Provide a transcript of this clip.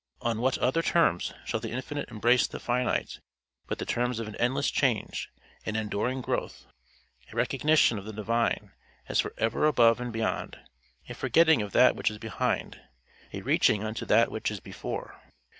On what other terms shall the infinite embrace the finite but the terms of an endless change, an enduring growth, a recognition of the divine as for ever above and beyond, a forgetting of that which is behind, a reaching unto that which is before?